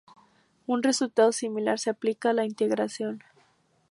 Un resultado similar se aplica a la integración.